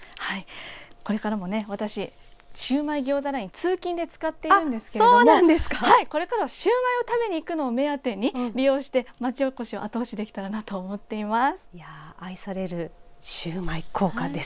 これからも私シウマイ餃子ライン通勤で使っているんですがこれからはシューマイを食べにいくのを目当てに町おこしを後押しできたらと思います。